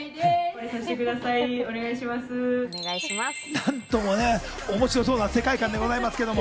何ともね、面白そうな世界観でございますけど。